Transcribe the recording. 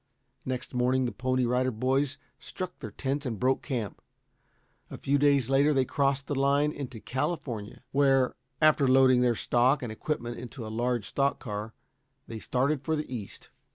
Next morning the Pony Rider Boys struck their tents and broke camp. A few days later they crossed the line into California, where, after loading their stock and equipment into a large stock car, they started for the East.